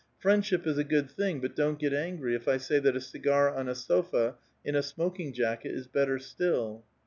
Friendship is a ^ood thing ; but don't get angry, if I say that a cigar on a sofa, in a smoking jacket, is better still